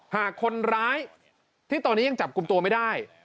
หากคนร้ายที่ตอนนี้ยังจับกลุ่มตัวไม่ได้